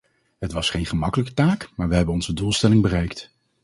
Het was geen gemakkelijke taak, maar we hebben onze doelstelling bereikt.